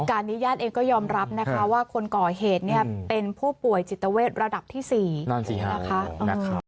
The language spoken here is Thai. การนี้ญาติเองก็ยอมรับนะคะว่าคนก่อเหตุเนี่ยเป็นผู้ป่วยจิตเวทระดับที่๔นั่นสินะคะ